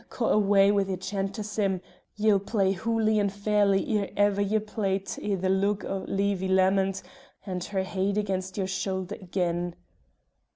caw awa' wi' yer chanter, Sim, ye'll play hooly and fairly ere ever ye play 't i' the lug o' Leevie Lamond, and her heid against your shoulder again."